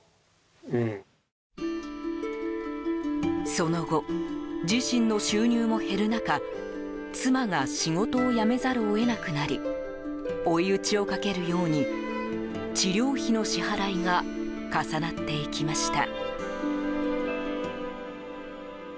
その後自身の収入も減る中妻が仕事を辞めざるを得なくなり追い打ちをかけるように治療費の支払いが重なりました。